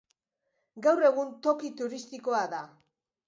Gaur egun toki turistikoa da.